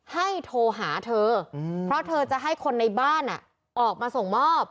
โทรหาเธอเพราะเธอจะให้คนในบ้านออกมาส่งมอบ